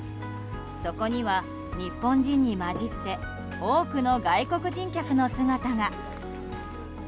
そこには日本人に交じって多くの外国人客の姿が。